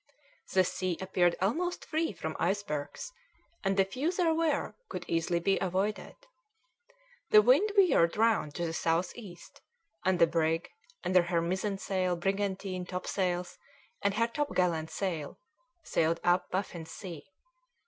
The sea appeared almost free from icebergs, and the few there were could easily be avoided. The wind veered round to the south east, and the brig, under her mizensail, brigantine, topsails, and her topgallant sail, sailed up Baffin's Sea.